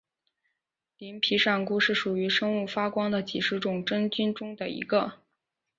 鳞皮扇菇是属于生物发光的几十种真菌中的一个。